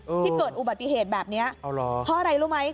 ที่เกิดอุบัติเหตุแบบเนี้ยอ๋อเหรอเพราะอะไรรู้ไหม